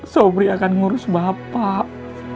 sobri akan ngurus bapak